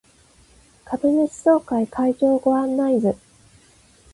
株主総会会場ご案内図